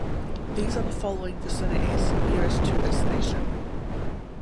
These are the following victinities nearest to this station.